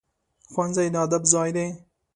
ښوونځی د ادب ځای دی